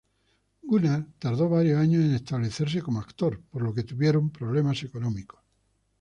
Gunnar tardó varios años en establecerse como actor, por lo que tuvieron problemas económicos.